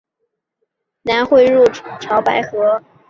流经怀柔水库后在梭草村南汇入潮白河。